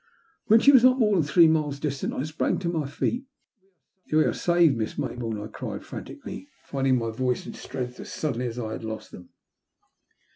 When she was not more than three miles distant, I sprang to my feet. " We're saved, Miss Mayboome !" I cried franti cally, finding my voice and strength as suddenly as I had lost them.